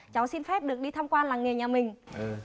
cháu xin phép được đi tham quan làng nghề nhà mình